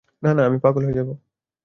না, না, আমি পাগল হয়ে যাব।